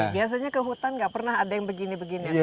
biasanya ke hutan nggak pernah ada yang begini begini